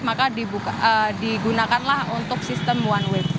maka digunakanlah untuk sistem one way